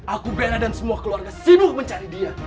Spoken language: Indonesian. aku bella dan semua keluarga sibuk mencari dia